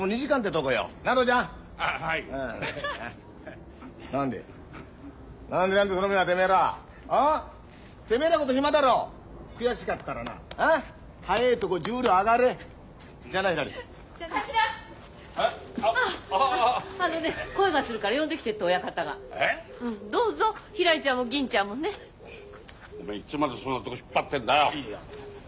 おめえいつまでそんなとこ引っ張ってんだよ。